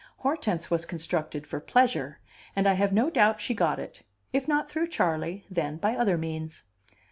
Hortense was constructed for pleasure; and I have no doubt she got it, if not through Charley, then by other means.